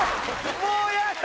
もうやだ！